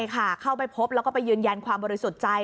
เข้าไปพบแล้วก็ไปยืนยันความบริสุทธิ์ใจ